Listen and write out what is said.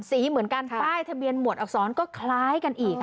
สีเหมือนกันป้ายทะเบียนหมวดอักษรก็คล้ายกันอีก